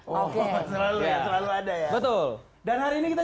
oh pengamat politik ya